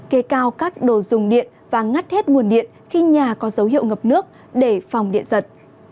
kê cao các đồ dùng điện và ngắt hết nguồn điện khi nhà có dấu hiệu ngập nước để phòng điện giật